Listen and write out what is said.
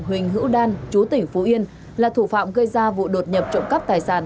huỳnh hữu đan chú tỉnh phú yên là thủ phạm gây ra vụ đột nhập trộm cắp tài sản